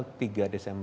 sedangkan di jawa tengah